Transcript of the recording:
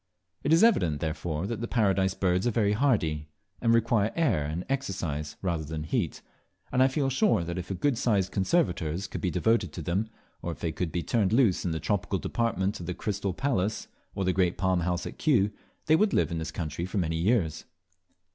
It is evident, therefore, that the Paradise Birds are very hardy, and require air and exercise rather than heat; and I feel sure that if a good sized conservators` could be devoted to them, or if they could be turned loose in the tropical department of the Crystal Palace or the Great Palm House at Kew, they would live in this country for many years.